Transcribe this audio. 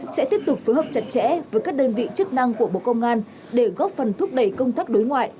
sẽ tiếp tục phối hợp chặt chẽ với các đơn vị chức năng của bộ công an để góp phần thúc đẩy công tác đối ngoại